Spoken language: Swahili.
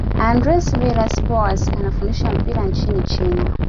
andres villas boas anafundisha mpira nchini china